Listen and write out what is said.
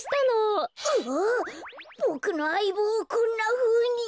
ボクのあいぼうをこんなふうに。